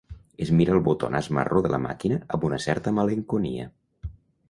Es mira el botonàs marró de la màquina amb una certa malenconia.